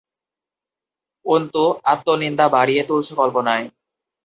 অন্তু, আত্মনিন্দা বাড়িয়ে তুলছ কল্পনায়।